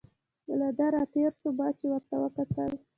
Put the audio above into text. له ده را تېر شو، ما چې ورته وکتل.